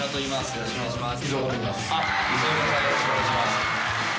よろしくお願いします。